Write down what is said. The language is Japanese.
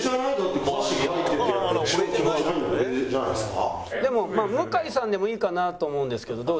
「でも向井さんでもいいかなと思うんですけどどうですか？」。